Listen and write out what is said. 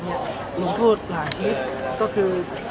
หนิทธอหารชีวิตก็คือ